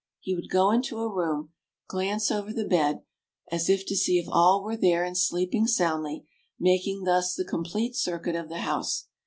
He would go into a room, glance over the bed as if to see if all were there and sleeping soundly, making thus the complete circuit of the house.